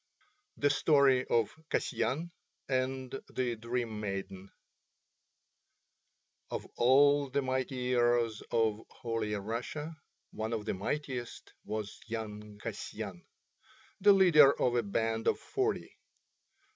THE STORY OF KASYAN AND THE DREAM MAIDEN Of all the mighty heroes of Holy Russia one of the mightiest was young Kasyan, the leader of a band of forty.